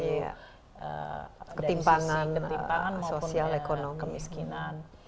dari sisi ketimpangan maupun kemiskinan